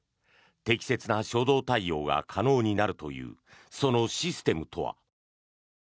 適切な初動対応が可能になるというそのシステムとは。